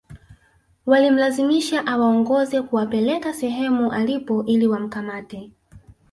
Walimlazimisha awaongoze kuwapeleka sehemu alipo ili wamkamate